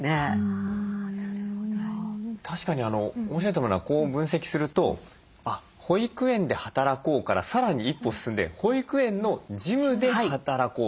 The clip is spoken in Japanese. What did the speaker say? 確かに面白いと思うのはこう分析すると「保育園で働こう」から更に一歩進んで「保育園の事務で働こう」